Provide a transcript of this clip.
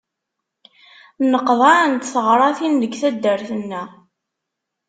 Nneqḍaɛent teɣratin deg taddart-nneɣ.